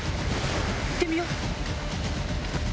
行ってみよう。